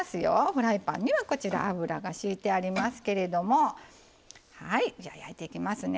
フライパンにはこちら油がしいてありますけれどもはいじゃあ焼いていきますね。